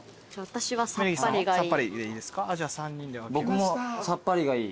僕もさっぱりがいい。